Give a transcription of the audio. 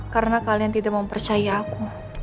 karena kalian tidak mau percaya aku